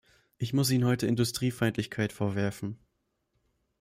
Ich muss Ihnen heute Industriefeindlichkeit vorwerfen.